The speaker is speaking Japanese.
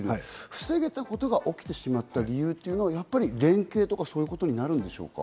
防げたことが起きてしまった理由というのはやっぱり連携とか、そういうことになるんでしょうか？